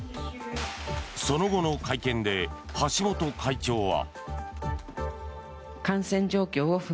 その後の会見で橋本会長は。